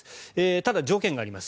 ただ条件があります。